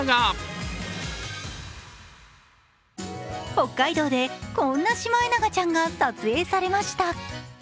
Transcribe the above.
北海道でこんなシマエナガちゃんが撮影されました。